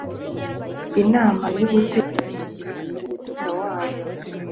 inama y ubutegetsi iha perezida wayo